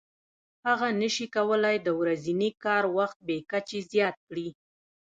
هغه نشي کولای د ورځني کار وخت بې کچې زیات کړي